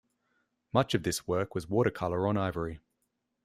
Much of this work was watercolor on ivory.